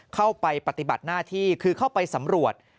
เข้าไปปฏิบัติหน้าที่คือเข้าไปสำรวจ